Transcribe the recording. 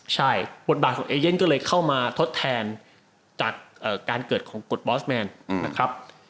ใช่บทบาทของเอเย่นก็เลยเข้ามาทดแทนจากการเกิดของกฎบอสแมนนะครับ